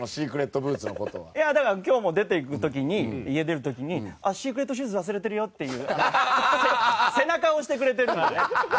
いやだから今日も出ていく時に家出る時にシークレットシューズ忘れてるよっていう背中を押してくれてるのよね。